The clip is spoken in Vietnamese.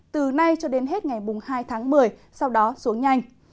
từ nay cho đến hết ngày hai tháng một mươi sau đó xuống nhanh